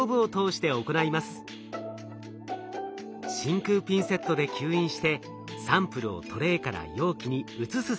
真空ピンセットで吸引してサンプルをトレーから容器に移す作業。